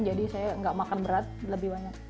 jadi saya nggak makan berat lebih banyak